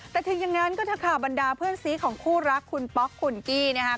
แต่ถึงอย่างนั้นก็ถ้าข่าวบรรดาเพื่อนศรีมของคู่รักคุณป๊อกคุณกี้เนี่ยฮะ